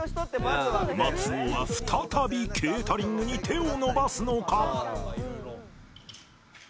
松尾は再びケータリングに手を伸ばすのか？